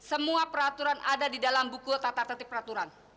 semua peraturan ada di dalam buku tata tertib peraturan